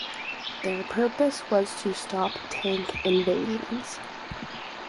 Their purpose was to stop tank invasions.